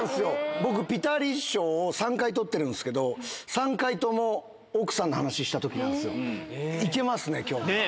僕、ピタリ賞を３回取ってるんですけど、３回とも、奥さんの話したとき何すよ。いけますね、きょう。ねぇ。